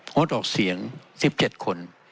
งดออกเสียง๑๗คน